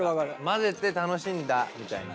混ぜて楽しんだみたいな。